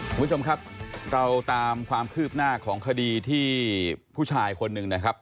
คุณผู้ชมครับเราตามความคืบหน้าของคดีที่ผู้ชายคนหนึ่งนะครับ